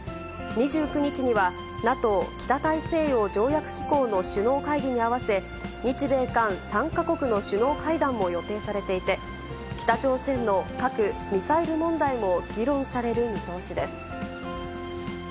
２９日には、ＮＡＴＯ・北大西洋条約機構の首脳会議に合わせ、日米韓３か国の首脳会談も予定されていて、北朝鮮の核・ミサイル問題も議論される見通しです。